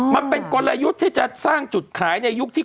มันเป็นกลยุทธ์ที่จะสร้างจุดขายในยุคที่